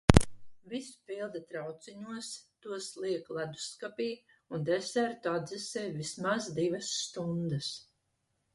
Visu pilda trauciņos, tos liek ledusskapī un desertu atdzesē vismaz divas stundas.